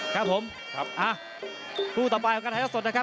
ครับผมครับอ่ะคู่ต่อไปของการถ่ายทอดสดนะครับ